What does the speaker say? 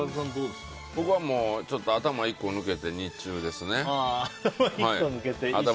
僕は頭１個抜けて日中ですね。